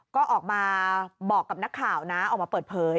ก็ออกมาบอกกับนักข่าวนะออกมาเปิดเผย